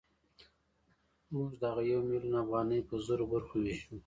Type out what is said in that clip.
موږ دغه یو میلیون افغانۍ په زرو برخو وېشو